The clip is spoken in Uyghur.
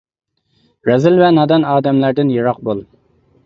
رەزىل ۋە نادان ئادەملەردىن يىراق بول.